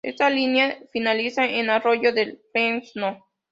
Esta línea finaliza en Arroyo del Fresno.